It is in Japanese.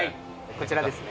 こちらですね。